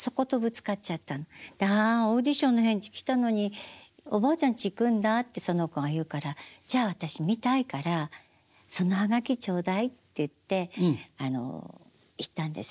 「あオーディションの返事来たのにおばあちゃんち行くんだ」ってその子が言うから「じゃあ私見たいからその葉書頂戴」って言ってあの行ったんです。